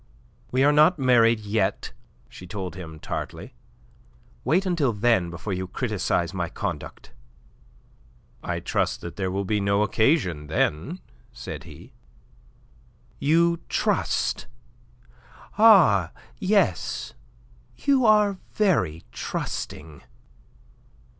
"We are not married yet," she told him, tartly. "Wait until then before you criticize my conduct." "I trust that there will be no occasion then," said he. "You trust? Ah, yes. You are very trusting."